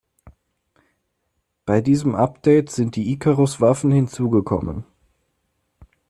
Bei diesem Update sind die Icarus-Waffen hinzugekommen.